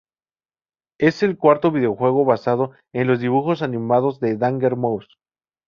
Es el cuarto videojuego basado en los dibujos animados de Danger Mouse.